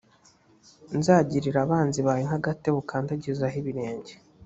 nzagirira abanzi bawe nk agatebe ukandagizaho ibirenge